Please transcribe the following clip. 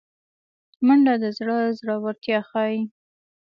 منډه د زړه زړورتیا ښيي